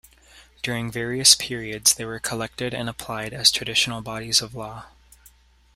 During various periods they were collected and applied as traditional bodies of law.